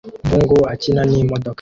Umuhungu akina n'imodoka